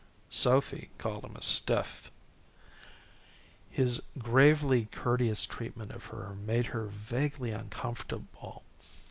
Sophy called him a stiff. His gravely courteous treatment of her made her vaguely uncomfortable.